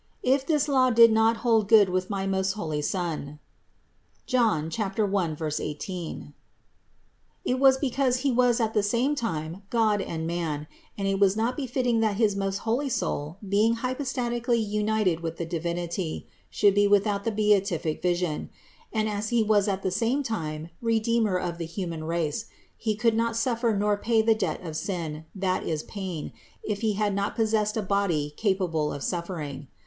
If this law did not hold good with my most holy Son (John 1, 18), it was became He was at the same time God and man and it was not befitting that his most holy soul, being hypostatically united with the Divinity, should be with out the beatific vision ; and as He was at the same time Redeemer of the human race, He could not suffer nor pay the debt of sin, that is pain, if He had not possessed a body capable of suffering.